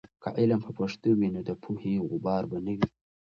که علم په پښتو وي، نو د پوهې غبار به نه وي.